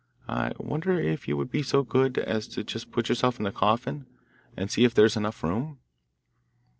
I wonder if you would be so good as just to put yourself in the coffin, and see if there is enough room.